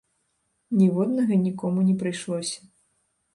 Ніводнага нікому не прыйшлося.